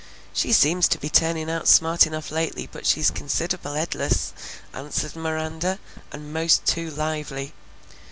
"She seems to be turnin' out smart enough lately, but she's consid'able heedless," answered Miranda, "an' most too lively."